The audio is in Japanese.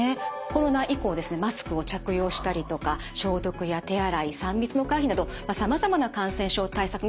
コロナ以降マスクを着用したりとか消毒や手洗い３密の回避などさまざまな感染症対策が取られたこと。